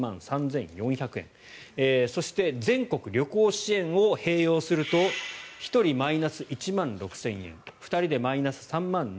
そして全国旅行支援を併用すると１人マイナス１万６０００円２人でマイナス３万２０００円。